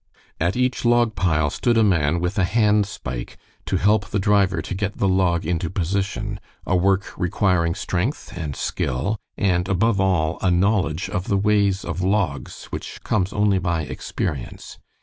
At each log pile stood a man with a hand spike to help the driver to get the log into position, a work requiring strength and skill, and above all, a knowledge of the ways of logs which comes only by experience.